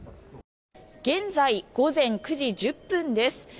現在午前９時１０分です。